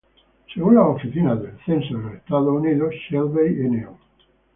Según la Oficina del Censo de los Estados Unidos, Shelby No.